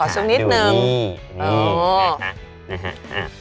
ขอซึ่งนิดนึงดูนี่นี่นะครับ